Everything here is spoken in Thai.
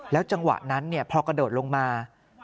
จังหวะนั้นพอกระโดดลงมา